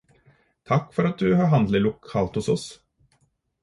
Takk for at du handler lokalt hos oss!